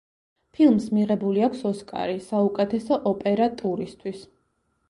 ფილმს მიღებული აქვს ოსკარი საუკეთესო ოპერატურისთვის.